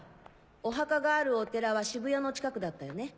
お墓があるお寺は渋谷の近くだったよね。